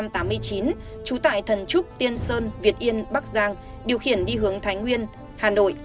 trú tại thần trúc tiên sơn việt yên bắc giang điều khiển đi hướng thái nguyên hà nội